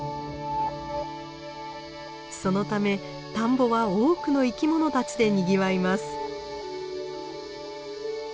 そのため田んぼは多くの生き物たちでにぎわいます。